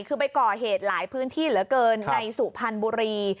คือไปก่อเหตุหลายพื้นที่เหลือเกินในสุพรรณบุรี